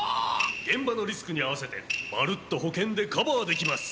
現場のリスクに合わせてまるっと保険でカバーできます！